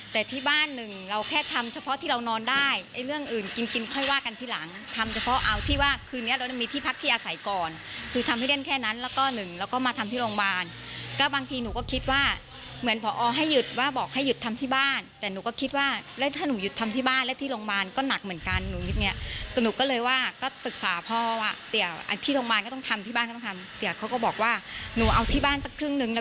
แต่ที่บ้านหนึ่งเราแค่ทำเฉพาะที่เรานอนได้เรื่องอื่นกินกินค่อยว่ากันที่หลังทำเฉพาะเอาที่ว่าคืนนี้เราจะมีที่พักที่อาศัยก่อนคือทำให้เล่นแค่นั้นแล้วก็หนึ่งแล้วก็มาทำที่โรงพยาบาลก็บางทีหนูก็คิดว่าเหมือนผอให้หยุดว่าบอกให้หยุดทำที่บ้านแต่หนูก็คิดว่าแล้วถ้าหนูหยุดทำที่บ้านและที่โรงพยาบาล